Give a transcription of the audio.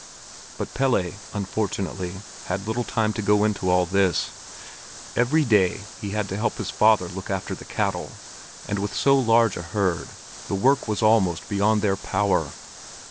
But Pelle unfortunately had little time to go into all this. Every day he had to help his father to look after the cattle, and with so large a herd, the work was almost beyond their power.